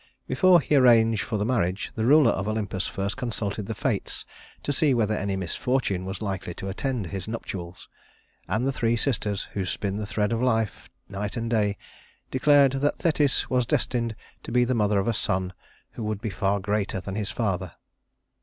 Before he arranged for the marriage, the ruler of Olympus first consulted the Fates to see whether any misfortune was likely to attend his nuptials; and the three sisters who spin the thread of life night and day declared that Thetis was destined to be the mother of a son who would be far greater than his father.